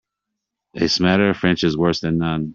A smatter of French is worse than none.